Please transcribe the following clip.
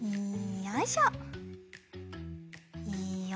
よいしょ。